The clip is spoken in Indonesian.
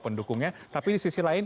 pendukungnya tapi di sisi lain